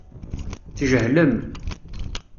Tjehlem.